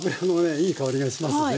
いい香りがしますね。